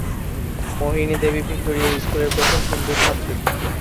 মোহিনী Debi Victoria স্কুলের প্রথম হিন্দু ছাত্রী।